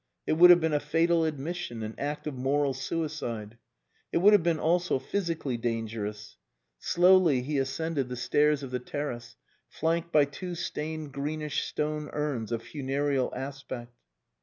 It would have been a fatal admission, an act of moral suicide. It would have been also physically dangerous. Slowly he ascended the stairs of the terrace, flanked by two stained greenish stone urns of funereal aspect.